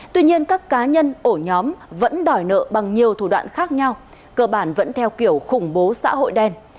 tuy nhiên các cá nhân ổ nhóm vẫn đòi nợ bằng nhiều thủ đoạn khác nhau cơ bản vẫn theo kiểu khủng bố xã hội đen